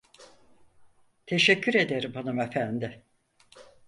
Teşekkür ederim hanımefendi.